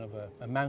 udara di tropik